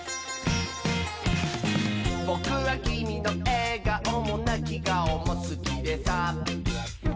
「ぼくはきみのえがおもなきがおもすきでさ」